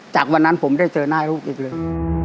จากวันนั้นผมได้เจอหน้าลูกอีกเลย